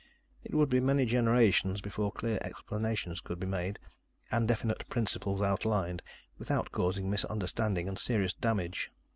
It would be many generations before clear explanations could be made and definite principles outlined without causing misunderstanding and serious damage.